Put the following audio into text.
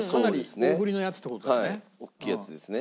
大きいやつですね。